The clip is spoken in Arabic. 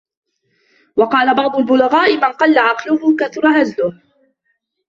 وَقَالَ بَعْضُ الْبُلَغَاءِ مَنْ قَلَّ عَقْلُهُ كَثُرَ هَزْلُهُ